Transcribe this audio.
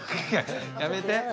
やめて。